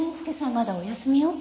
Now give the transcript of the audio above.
まだお休みよ。